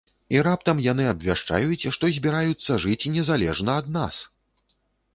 І раптам яны абвяшчаюць, што збіраюцца жыць незалежна ад нас!